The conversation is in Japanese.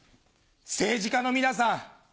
政治家の皆さん。